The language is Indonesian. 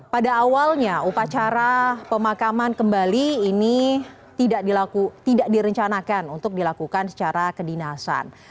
pada awalnya upacara pemakaman kembali ini tidak direncanakan untuk dilakukan secara kedinasan